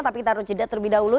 tapi kita harus jeda terlebih dahulu